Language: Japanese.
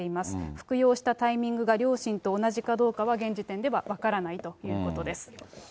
服用したタイミングが両親と同じかどうかは、現時点では分からないということです。